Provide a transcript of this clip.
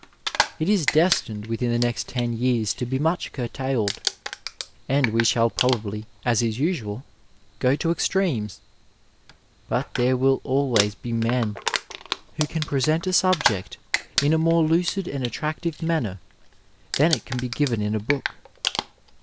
It is destined within the next ten years to be much curtailed, and we shall probably, as is usual, go to extremes, but there will always be men who can present a subject in a more lucid and attractive manner than it can be given in a book.